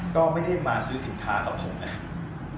ก็ไม่ได้มาซื้อสินค้ากับผมนะครับ